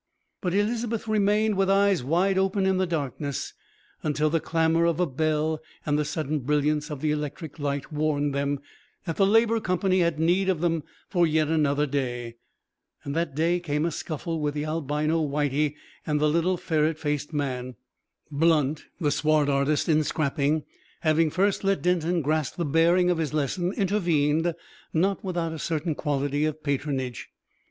But Elizabeth remained with eyes wide open in the darkness, until the clamour of a bell and the sudden brilliance of the electric light warned them that the Labour Company had need of them for yet another day. That day came a scuffle with the albino Whitey and the little ferret faced man. Blunt, the swart artist in scrapping, having first let Denton grasp the bearing of his lesson, intervened, not without a certain quality of patronage.